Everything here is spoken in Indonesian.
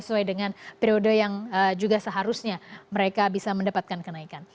sesuai dengan periode yang juga seharusnya mereka bisa mendapatkan kenaikan